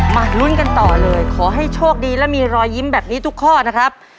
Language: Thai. มาลุ้นกันต่อเลยขอให้โชคดีและมีรอยยิ้มแบบนี้ทุกข้อนะครับ